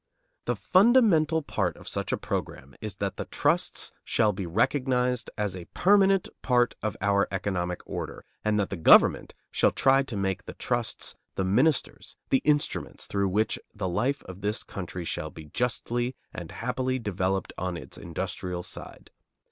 The fundamental part of such a program is that the trusts shall be recognized as a permanent part of our economic order, and that the government shall try to make trusts the ministers, the instruments, through which the life of this country shall be justly and happily developed on its industrial side.